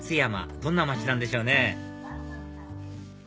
どんな街なんでしょうね